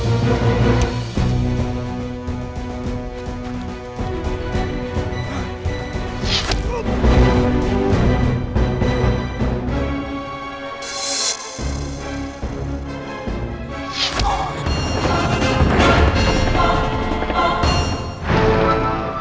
ada perempuan jalan